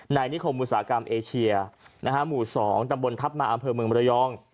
นิคมอุตสาหกรรมเอเชียหมู่๒ตำบลทัพมาอำเภอเมืองบรยอง